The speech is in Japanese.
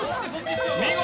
見事！